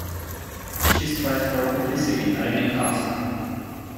She strives for publicity at any cost.